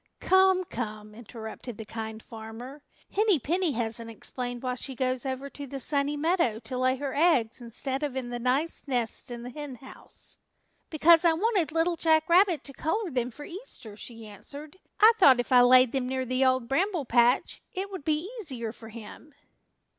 "Come, come," interrupted the Kind Farmer. "Henny Penny hasn't explained why she goes over to the Sunny Meadow to lay her eggs instead of in the nice nests in the Henhouse." "Because I wanted Little Jack Rabbit to color them for Easter," she answered. "I thought if I laid them near the Old Bramble Patch it would be easier for him."